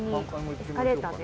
エスカレーターで。